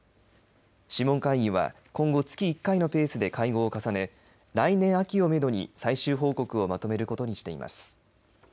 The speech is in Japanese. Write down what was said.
諮問会議は今後月１回のペースで会合を重ね来年秋をめどに最終報告をまとめることにしています。